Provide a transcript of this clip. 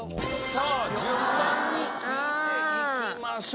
さあ順番に聞いていきましょう。